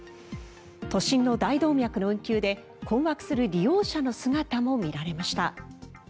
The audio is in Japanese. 都心の大動脈の運休で困惑する利用者の姿も見られました。